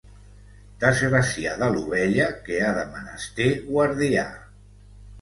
Desgraciada l'ovella que ha de menester guardià.